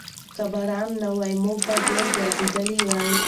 که باران نه وای، موږ به ډېر ګرځېدلي وو.